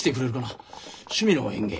「趣味の園芸」。